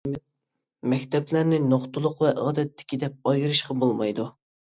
مەكتەپلەرنى نۇقتىلىق ۋە ئادەتتىكى دەپ ئايرىشقا بولمايدۇ.